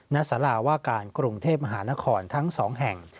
ณสาราว่าการกรุงเทพมหานครทั้ง๒แห่ง